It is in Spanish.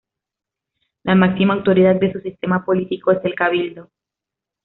La máxima autoridad de su sistema político es el cabildo.